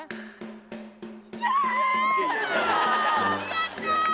やった！